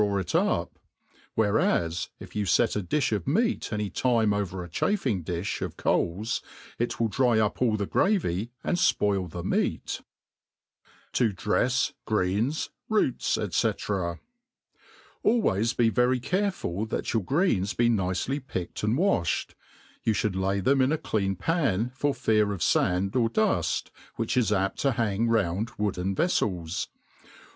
^ tt up ; whereas, if you ki a difh of meat any tiipe over a chafflng difll «f xd4lsj' it wiil dry up all the gravy, and fpoU the meat* ^ t To drefs GREENS, ROOTS, &c* ALWAYS be very careful that your grecris Be nittly {)ieked^ and waflied. * Yoo Inould Kiy them in a clean pan, f6r ftJar' of fand or duft, which is apt to hang found wooden veflels.